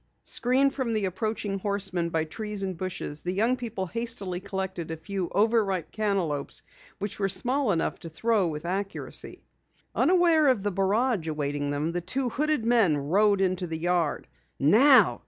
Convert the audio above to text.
Screened from the approaching horsemen by trees and bushes, the young people hastily collected a few over ripe cantaloupes which were small enough to throw with accuracy. Unaware of the barrage awaiting them, the two hooded men rode into the yard. "Now!"